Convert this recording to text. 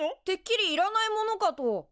てっきりいらないものかと。